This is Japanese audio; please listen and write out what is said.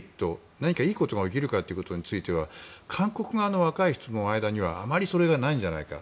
何かいいことが起きるかということについては韓国側の若い人の間にはあまりそれがないんじゃないか。